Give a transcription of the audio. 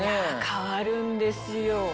変わるんですよ。